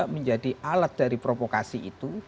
menjadi alat dari provokasi itu